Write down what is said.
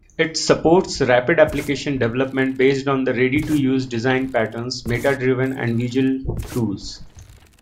It supports rapid application development based on ready-to-use design patterns, metadata-driven and visual tools.